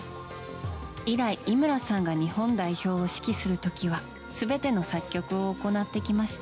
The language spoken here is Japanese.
以来、井村さんが日本代表を指揮する時は全ての作曲を行ってきました。